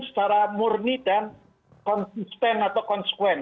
secara murni dan konsisten atau konsekuen